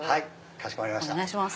かしこまりました。